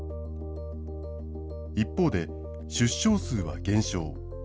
一方で、出生数は減少。